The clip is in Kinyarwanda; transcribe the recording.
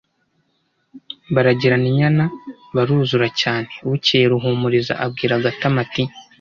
baragirana inyana, baruzura cyane. Bukeye Ruhumuriza abwira Gatama ati: